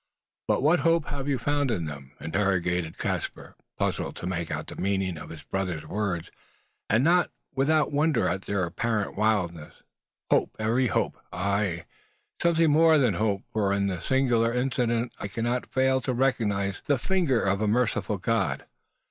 "But what hope have you found in them?" interrogated Caspar puzzled to make out the meaning of his brother's words, and not without wonder at their apparent wildness. "Hope? Every hope. Ay, something more than hope: for in this singular incident I cannot fail to recognise the finger of a merciful God.